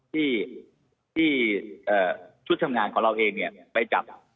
ที่ชุดทำงานของเราเองเนี่ยไปจับ